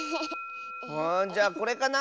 あじゃあこれかな？